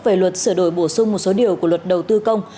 về luật sửa đổi bổ sung một số điều của luật đầu tư công